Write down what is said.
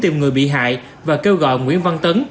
tìm người bị hại và kêu gọi nguyễn văn tấn